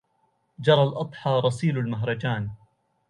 جرى الأضحى رسيل المهرجان